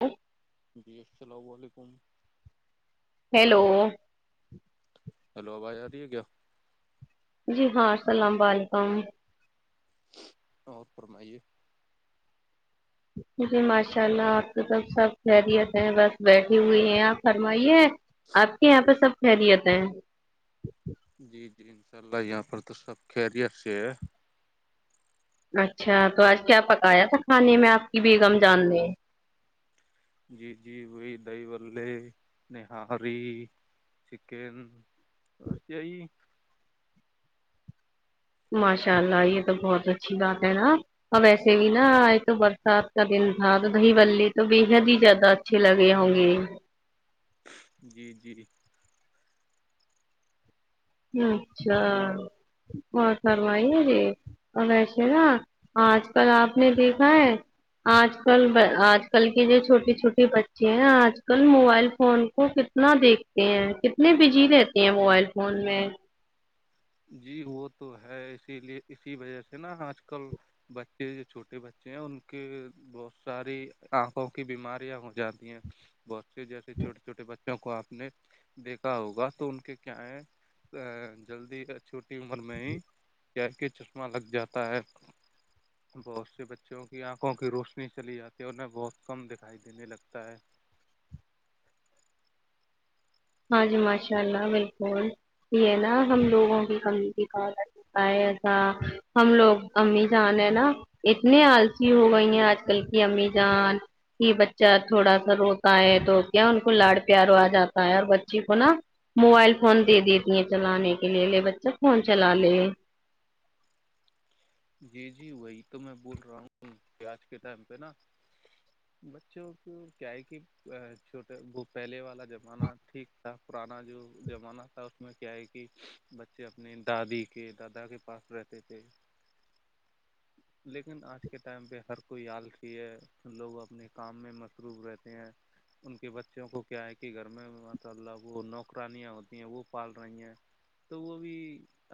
ا جی السلام علیکم ہیلو ہیلو آاز آ رہی ہے کیا جی ہاں السلام ولیکم اور فمائیے ج جی ماشاء اللہ آپ کی تو سب خیریت ہیں بس بیٹھی ہوئی ہیں آپ فرمائیے ہیں آپ کے یہاں پہ سب خیریت ہیں جی جی انشاء اللہ یہاں پر تو سب خیریت سے ہے اچھا تو آج کیا پکایا تھا کھانے میں آپ کی بیگم جان نے جی جی وہی دہی بے نہاری چکن سس یہ ج ماشاء اللہ یہ تو بہت اچھی بات ہے نا اب و ایسے بھی نا آئے تو برسات کا دن تھا تو دہی بلے تو بے حد ہی زیادہا اچھی لگی ہوں گی جی جی اچھا ب فرمائی ہے یہی ا ویسے نا آج کل آپ نے دیکھا ہے آج کل آج کل کی جو چھوٹی چھوٹی بچے ہیں آج کل موبائل فون کو کتنا دیکھتے ہیں کتنے بجی رہتے ہیں موبائل فون میں جی وہ تو ہے اسی لیے اسی وجہ سے نا آج کل بچے جو چھوٹے بچے ہیں ان کے بہت ساری آنکھوں کی بیماریاں ہو جاتی ہیں بچے جیسے چھٹے چھوٹے بچے وں کو آپ نے دیکھا ہوگا تو ان کے کیا ہے جلدی چھوٹی عمر میں ہی کیا کے چشمہ لگ جاتا ہے بہت سے بچوں کی آنکھوں کی روشنی چلی جاتی ہے اور انیں بہت کم دکھائی دینے لگتا ہے ہاں جی ماشاء اللہ بالکل یہ ہے نا ہم لوگوں کی کمیٹی کہ ایسا ہم لوگ امی جان ہے نا اتنے آلسی ہو گئی ہیں آج کل کی امیزان کہ بچہ تھوڑا سا روتا ہے تو کیا ان کو لاڑ پیارو آ جاتا ہے اور بچے کو نا موبائل فون دے دیتی ہیں چلانے کے لیے لے بچہ فون چلا لے جی جی وہی تو میں بول رہا ہوں پ آج کے ٹائم پہ نا بچوں کو کیا ہے کہ چھوٹا وہ پہلے والا زمانہ ٹھیک تھا پرانا جو زمانہ تھا اس میں کیا ہے کہ بچے اپنے دادی کے دادا کے پاس رہتے تے تھ لیکن آج کے ٹائم پہ ہر کوئی یادکھی ہے لوگ اپنے کام میں مصروف رہتے ہیں ان کے بچوں کو کیا ہے کہ گھر میں ماساء اللہ وہ نوکرانیاں ہوتی ہیں وہ پال رہی ہیں تو وہ بھی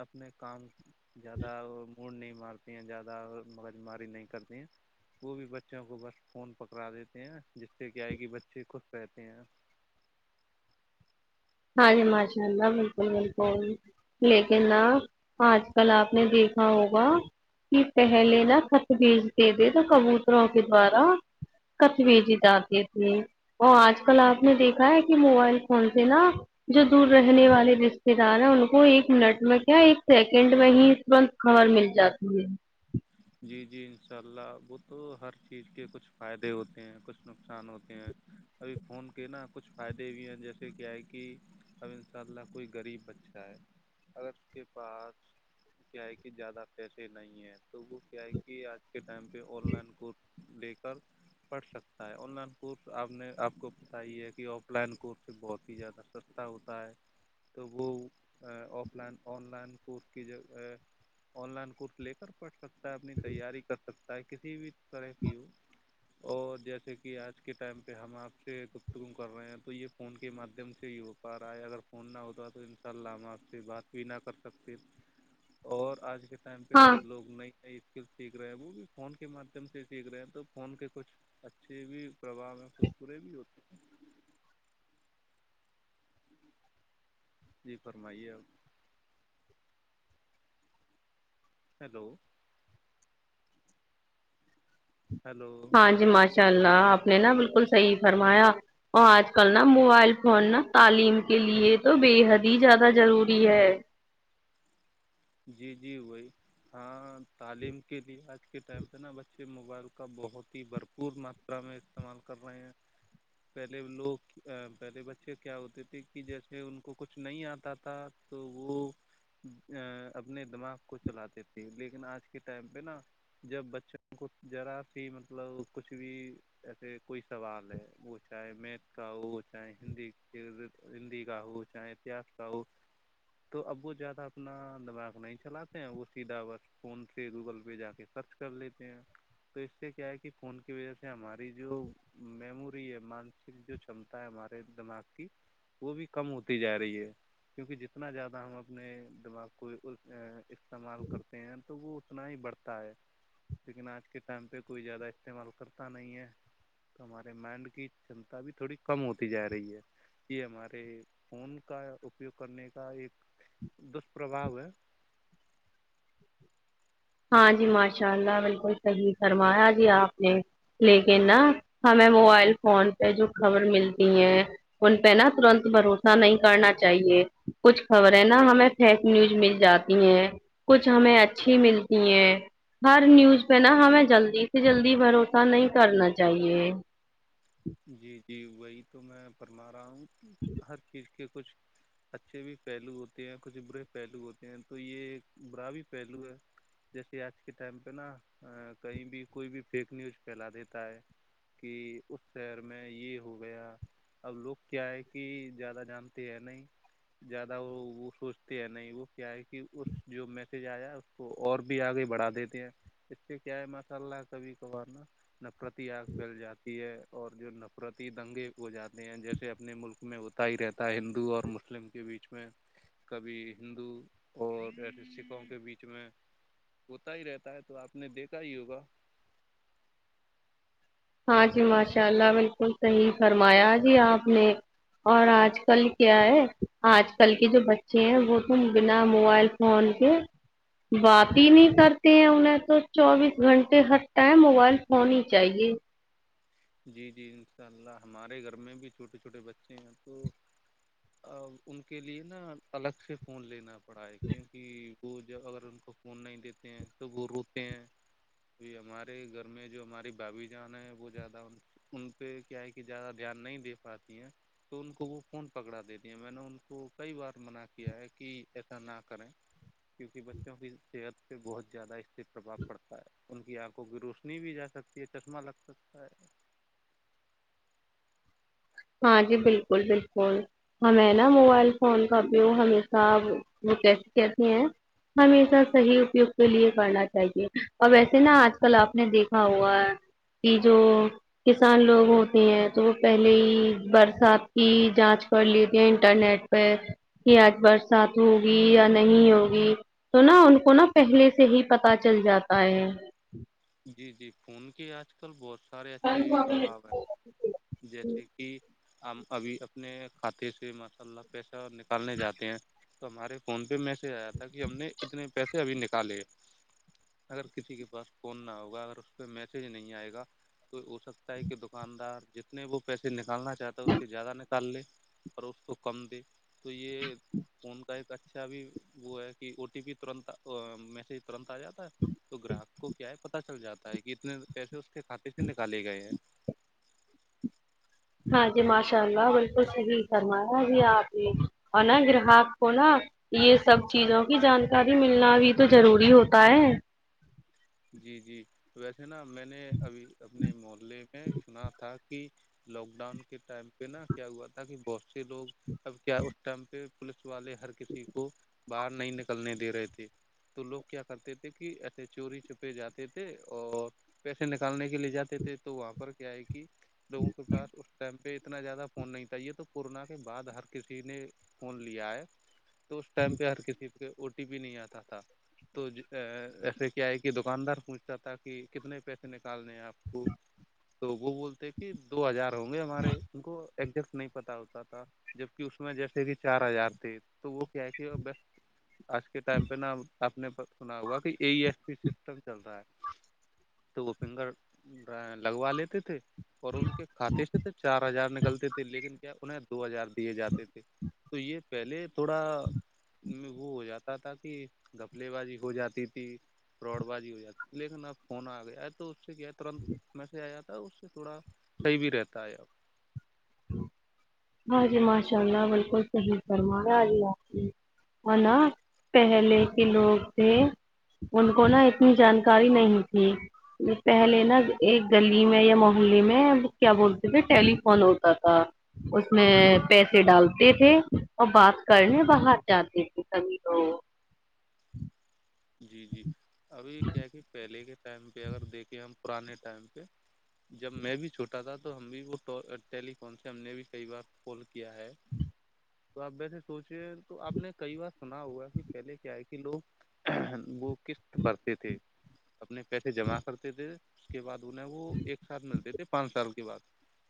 اپنے کام زیادہ موڈ نہیں مارتی ہیں زیادہ مغز ماری نہیں کرتی ہیں وہ بھی بچوں کو بس فون پکڑا دیتے ہیں جس سے کیا ہے کہ بچے خوش رہتے ہیں ہاں جماشانلہ بالکل بالکل لیکن ن آج کل آپ نے دیکھا ہوگا کہ پہلے نہا تھت بیجتے تھے تو کبوتروں کے دوارا کچویجی جاتے تھے اور آج کل آپ نے دیکھا ہے کہ موبائل فون سے نا جو دور رہنے والے رشتے دار ہیں ان کو ایک منٹ میں کیا ایک سیکنڈ میں ہی است خر مل جاتی ہے جی جی ان شاء اللہ وہ تو ہر چیز کے کچھ فائدے ہوتے ہیں کچھ نقصان ہوتے ہیں ابھی فون کے نا کچھ فائدے بھی ہیں جیسے کیا ہے کہ اب ان شاء اللہ کوئی غریب بچہ ہے اگر کے پاس کیا ہے کہ زیادہ پیسے نہیں ہیں تو وہ کیا ہے کہ آج کے ٹائم پہ آن لائن کور بےیکار پڑھ سکتا ہے آن لائن کورس آپ نے آپ کو پت ہی ہے کہ آف لائن کورس سے بہت ہی زیادہ سستا ہوتا ہے تو وہ offline online course کی جہ آن لائن کورس لے کر پڑھ سکتا ہے اپنی تیاری کر سکتا ہے کسی بھی طرح کی ہو اور جیسے کہ آج کے ٹائم پہ ہم آپ سے گفتگو کر رہے ہیں تو یہ فون کے مادھیم سے ہی ہو پر آئے اگر فون نہ ہوتاا تو ان شاء اللہ ہم آپ سے بات بھی نہ کر سکتے اور آج کے ٹائم پہ ہاں لوگ ن اسکل سیکھ رہے وہ بھی فون کے مادھیم سے سیکھ رہے ہیں تو فون کے کچھ اچھے بھی پرواہ میں کچھ پورے بھی ہوتے تھے جی فرمائیے آپ ہیلو ہیلو ہاں جی ماشاء اللہ آپ نے نہا بالکل صح فرمایا اور آج کل نا موبائل فون نا تعلیم کے لیے تو بے حد ہی زیادہ ضروری ہے جی جی وہی ہاں تعلیم کے لیے آج کے ٹائم پہ نا بچے موبائل کا بہت ہی بھرپور م را میں استعمال کر رہے ہیں پہلے لوگ پہلے بچے کیا ہوتے تھے کہ جیسے ان کو کچھ نہیں آتا تھا تو وہ اپنے دماغ کو چلاتے تھے لیکن آج کے ٹائم پہ نا جب بچوں کو ذرا سی مطلب کچھ بھی جیسے کوئی سوال ہے وہ چاہے میتھ کا ہو چاہے ہندی ہندی کا ہو چاہے اتہس کا ہو تو اب وہ زیادہ اپنا دماغ نہیں چلاتے ہیں وہ سیدھا وقت فون سے گوگل پہ جا کے سرچ کر لیتے ہیں تو اس سے کیا ہے کہ فون کی وجہ سے ہماری جو میموری ہے مانسک جو چمتا ہے ہمارے دماغ کی وہ بھی کم ہوتی جا رہی ہے کیونکہ جتنا زیادہ ہم اپنے دماغ کو استعمال کرتے ہیں تو وہ اتنا ہی بڑھتا تاہے لیکن آج کے ٹائم پہ کوئی زیادہ استعمال کرتا نہیں ہے تو ہمارے مائنڈ کی چنتا بھی تھوڑی کم ہوتی جا رہی ہے یہ ہمارے فون کا اپیوگ کرنے کا ایک دشپرباو ہے ہاں جی ماشاء اللہ بالکل صحیح فرمایا جی آپ نے لیکن نا ہمیں موبائل فون پہ جو خبر ملتی ہیں ان پہ نا ترنت بھروسہ نہیں کرنا چاہیے کچھ خبریں نا ہمیں فیک نیوز مل جاتی ہیں کچھ ہمیں اچھی مل ہر نیوز پہ نا ہمیں جلدی سے جلدی بھروسہ نہیں کرنا چاہیے جی جی وہی تو میں فرما رہا ہوں ہر چیز کے کچھ اچھے بھی پہلو ہوتے ہیں کچھ برے پہلو ہوتے ہیں تو یہ ایک برا بھی پہلو ہے جیسے آج کے ٹائم پہ نا کہیں بھی کوئی بھی فیک نیوز پھیلا دیتا ہے کہ اس شہر میں یہ ہو گیا اب لوگ کیا ہے کہ زیادہ جانتے ہیں نہیں زیادہ وہ وہ سوچتے ہیں نہیں وہ کیا ہے کہ اس جو میسج آیا کو اور بھی آگے بڑھا دیتے ہیں اس سے کیا ہے ماشاء اللہ کبھی کبھار نہ نفرتیاگ پھیل جاتی ہے اور جو نفرتی دنگے ہو جاتے ہیں جیسے اپنے ملک میں ہوتا ہی رہتا ہے ہندو اور مسلم کے بیچ میں کبھی ہندو اور ایے سکھوں کے بیچ میں ہوتا ہی رہتا ہے تو آپ نے دیکھا ہی ہوگا ہاں جی ہیلو ماشاء اللہ بالکل صحیح فرمایا جی آپ نے اور آج کل کیا ہے آج کل کے جو بچے ہیں وہ تو بنا موبائل فون کے بات ہی نہیں کرتے ہیں انہیں تو چوبیس گھنٹے ہر ٹائم موبائل فون ہی چاہیے جی جی ان شاء اللہ ہمارے گھر میں بھی چھوٹے چھوٹے بچے ہیں تو ان کے لئے نا الگ سے فون لینا پڑا ہے کیونکہ وہ جب اگر ان کو فون نہیں دیتے ہیں توب وہ روتے ہیں ج ہمارے گھر میں جو ہماری بھابھی جان ہے وہ ج ان پہ کیا ہے کہ زیادہ دھیان نہیں دے پاتی ہیں تو ان کو وہ فون پکڑا دے دے میں نے ان کو کئی بار منع کیا ہے کہ ایسا نہ کریں کیونکہ بچوں کی صحت پہ بہت زیادہ اس سے پرباؤ پڑتا ہے ان کی آنکھ کو کی روشنی بھی جا سکتی ہے چشمہ لگ سکتا ہے ہاں جی بالکل بالکل ہمیں نا موبائل فون کا اپیوگ ہمیشہ وہ کیسے کہتے ہیں ہمیشہ صحیح اپیوگ کے لیے کرنا چاہیے ا وسے نا آج کل آپ نے دیکھا ہوا ہے کہ جو کسان لوگ ہوتے ہیں تو وہ پہلے ہی برسات کی جانچ کر لی ت ہے انٹرنیٹ پہ کہ آج برسات ہوگی یا نہیں ہوگی تو نہا ان کو نا پہلے سے ہی پتا چل جاتا ہے جی جی فون کے آج کل بہت سارے اچھے بھی پرباؤ ہیں جیسے کہ ہم ابھی اپنے کھاتے سے ماشاء اللہ پیسہ نکالنے جاتے ہیں تو ہمارے فون پہ میسج آیا تھا کہ ہم نے اتنے پیسے ابھی نکالے اگر کسی کے پاس فون نہ ہوگا اگر اس پہ میسیج نہیں آئے گا تو ہو سکتا ہے کہ دکاندار جتنے وہ پیسے نکالنا چاہتا ہے اس سے زیادہ نکال لے پرو اس کو کم دے تو یہ فون کا ایک اچھا بھی وہ ہے کہ او ٹی پی ترنت میسج ترنت آ جاتا ہے تو گراہک کو کیا ہے پتا چل جاتا ہے کہ اتنے پیسے اس کے کھاتے سے نکالے گئے ہیں ہاں جی ماشاء اللہ بالکل صحیح کررمایا ابھی آپ نے اورناا گراہک کونا یہ سب چیزوں کی جانکاری ملنا بھی تو ضروری ہوتا ہے جی جی ویسے نا میں نے ابھی اپنے محلے میں سنا تھا کہ لاک ڈاؤن کے ٹائم پہ نا کیا ہوا تھا کہ بہت سے لوگ اب کیا ٹم پہ پوولس والے ہر کسی کو باہر نہیں نکلنے دے رہے تھے تو لوگ کیا کرتے تھے کہ ایسے چوری پہ جاتے تھے اور پیسے نکالنے کے لیے جاتے تھے تو وہاں پر کیا ہے کہ لووں کے پس اس ٹائم پہ اتنا زیادہ فون نہیں چاہیے تو کورونا کے بعد ہر کسی نے فون لیا ہے تو اس ٹائم پہ ہر کسی کے او ٹی پی نہیں آتا تھا تو ایسے کیا ہے کہ یہ دکاندار پوچھتا تھا کہ کتنے پیسے نکالنے ہیں آپ کو تو وہ بولتے کہ دو ہزار ہوں گے ہمارے ان کو ایزیکٹ نہیں پتا ہوتا تھا جبک اس میں جیسے کہ چار ہزار تھے تو وہ کیا ہے کہ آج کے ٹائم پہ نا اپنے سنا ہوا کہ ای ایس پی سسٹم چل رہا ہے تو وہ فنگر لگوا لیتے تھے اور ان کے کھاتے سے تو چار ہزار نکلتے تھے لیکن کیا انہیں دو ہزار دیے جاتے تھے تو یہ پہلے تھوڑا میں وہ ہو جاتا تھا کہ گپلے بازی ہو جاتی تھی فراڈ بازی ہو جاتی لیکن اب فون آ گیا ہے تو اس سے کیا ہے ترنت میسج آ جاتا ہے اس سے تھوڑا صحیح بھی رہتا ہے اب ہاں جی ماشاء اللہ بالکل صحیح فرما آ جی آپ ہے نا پہلے کے لوگ تھے ان کو نا اتنی جانکاری نہیں تھی پہلے نا ایک گلی میں یا محلے میں کیا بولتے تھے ٹیلیفون ہوتا تھا اس میں پیسے ڈالتے تھے اور بات کرنے باہر جاتے تھے کبھی لوگ جی جی ابھی کیا کہ پہلے کے ٹائم پہ اگر دیکھیں ہم پرانے ٹائم پہ جب میں بھی چھوٹا تھا تو ہم بھی وہ ٹیلی فون سے ہم نے بھی کئی بار کال کیا ہے [unintelligible] تو آپ ویسے سوچے تو آپ نے کئی بار سنا ہوگا کہ پہلے کیا ہے کہ لوگ وہ قسط بھرھتے تھے اپنے پیسے جمع کرتے تھے اس کے بد انہیں وہ ایک ساتھ ملتے تھے پانچ سال بعد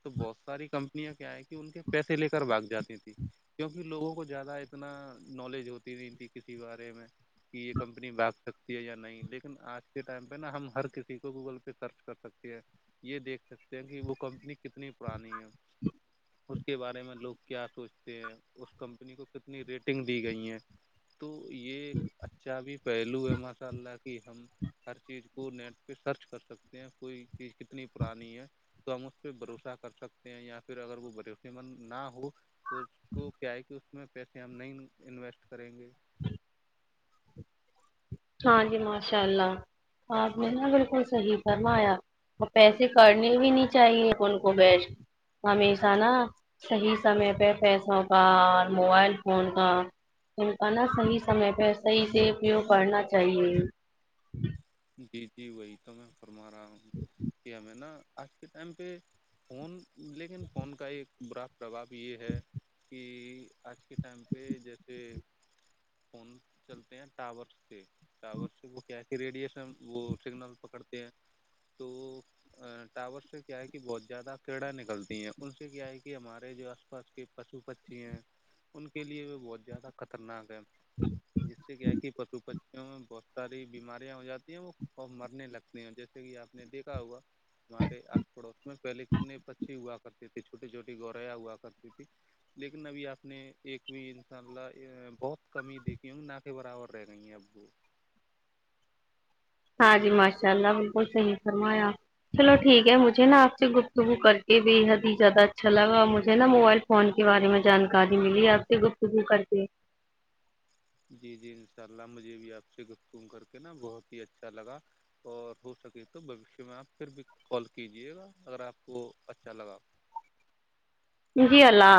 تو بہت ساری کمپنیاں کیا ہے کہ ان کے پیسے لے کر بھاگ جاتی تھیں کیونکہ لوگوں کو زیادہ اتنا نالج ہوتی نہیں ان ت کسی بارے میں کہ یہ کمپنی بھاگ سکتی ہے یا نہیں لیکن آج کے ٹائم پہ نا ہم ہر کسی کو گوگل پہ سرچ کر سکتے ہیں یہ دیکھ سکتے ہیں کہ وہ کمپنی کتنی پرانی ہے اس کے بارے میں لوگ کیا سوچتے ہیں اس کمپنی کو کتنی ریٹنگ دی گئی ہیں تو یہ ایک اچھا بھی پہلو ہے ماشاء اللہ کہ ہم ہر چیز کو نیٹ پہ سرچ کر سکتے ہیں کوئی چیز کتنی پرانی ہے تو ہم اس پہ بھروسہ کر سکتے ہیں یا پھر اگر وہ بھروسے مند نہ ہو تو اس کو کیا ہے کہ اس میں پیسے ہم نہیں انویسٹ کریں گے ہاں جی ماشاء اللہ آپ نے نہا بالکل صحیح فرمایا اور پیسے کرنے بھی نہیں چاہیے ان کو بیھ ہمیشہ نا صحیح سمے پہ پیسوں کا اور موبائل فون کا ان کا نہ صحیح سمے پہ صحیح سے اپیوگ کرنا چاہیے جی جی وہی تو میں فرما رہا ہوں کہ ہمیں نا آج کے ٹائم پہ فون لیکن فون کا ایک برا پربؤ یہ ہے کہ آج کے ٹائم پہ جیسے فون چلتے ہیں ٹاورس کے ٹاور سے وہ کیس ریڈیشن وہ سگنل پکڑتے ہیں تو ٹاور سے کیا ہے کہ بہت زیادہ کیڑا نکلتی ہیں ان سے کیا ہے کہ ہمارے جو آ پاس کے پشو پھھی ہیں ان کے لیے بھی بہت زیادہ خطرناک ہیں جس سے کیا کہ پٹو پ بہت ساری بیماریاں ہو جاتی ہیں وہ مرنے لگتی ہیں جیسے کہ آپ نے دیکھا ہوگا تہارے آس پڑوس میں پہلے کتنے پکچھی ہوا کرتی تھی چھوٹی چھوٹی گوریاں ہوا کرتی تھی لیکن ابھی آپ نے ایک بھی ان شاء اللہ بہت کمی دیکتی ہوں ناک کے برابر رہ گئی ہیں اب وہ ہاں جی ماشاء اللہ بالکل صحی فرمایا چلو ٹھیک ہے مجھے نا آپ سے گفتگو کر کے بے حد ہی زیادہ اچھا لگا اور مجھے نا موبائل فون کے بارے میں جانکاری ملی آپ سے گپتگو کر کے جی جی انشاء اللہ مجھے بھی آپ سے گفتگ کر کے نا بہت ہی اچھا لگا اور ہو سکے تو بھوشیہ میں آپ پھر بھی کال کیجیے گا اگر آپ کو اچھا لگا جی اللہ